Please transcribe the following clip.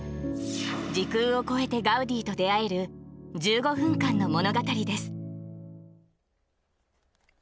時空を超えてガウディと出会える１５分間の物語です。